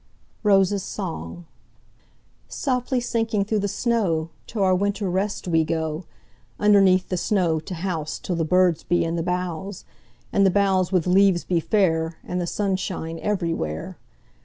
ROSES' SONG"SOFTLY sinking through the snow, To our winter rest we go, Underneath the snow to houseTill the birds be in the boughs, And the boughs with leaves be fair, And the sun shine everywhere.